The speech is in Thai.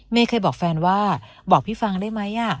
เคยบอกแฟนว่าบอกพี่ฟังได้ไหม